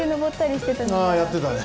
あやってたね。